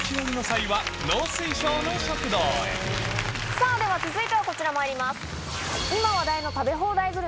さぁでは続いてはこちらまいります。